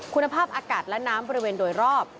คุณภาพอากาศและน้ำบริเวณโดยรอบ